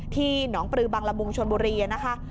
ที่หนองปลือบังละมุงชนบุรีนะคะ